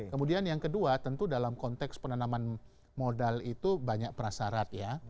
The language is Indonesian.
kemudian yang kedua tentu dalam konteks penanaman modal itu banyak prasarat ya